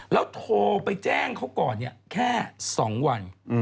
แล้วโทรไปแจ้งเขาก่อนเนี่ยแค่สองวัน